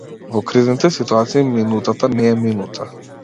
Во кризните ситуации минутата не е минута.